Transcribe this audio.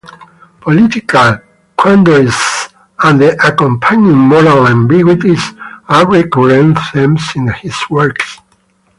Political quandaries and the accompanying moral ambiguities are recurrent themes in his works.